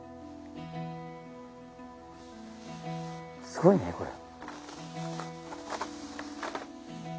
すごいねこれ。